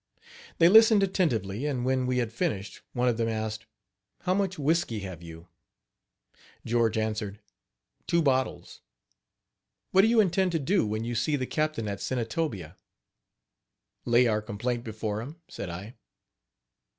They listened attentively, and when we had finished, one of them asked: "How much whisky have you?" George answered: "Two bottles." "What do you intend to do when you see the captain at Senatobia?" "Lay our complaint before him," said I.